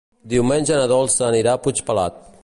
Diumenge na Dolça anirà a Puigpelat.